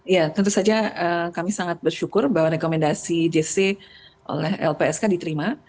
ya tentu saja kami sangat bersyukur bahwa rekomendasi jc oleh lpsk diterima